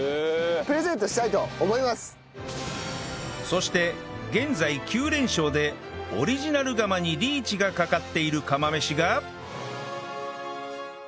そして現在９連勝でオリジナル釜にリーチがかかっている釜飯が